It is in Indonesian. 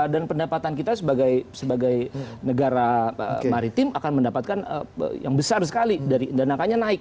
dan pendapatan kita sebagai negara maritim akan mendapatkan yang besar sekali dari dan angkanya naik